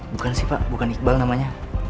bukan sih pak bukan iqbal namanya